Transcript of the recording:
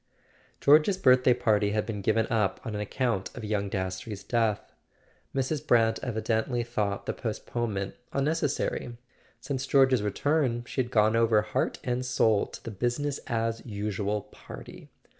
George's birthday party had been given up on ac¬ count of young Das trey's death. Mrs. Brant evidently thought the postponement unnecessary; since George's return she had gone over heart and soul to the "busi¬ ness as usual" party.